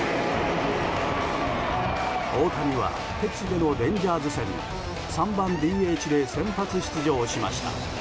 大谷は敵地でのレンジャーズ戦に３番ＤＨで先発出場しました。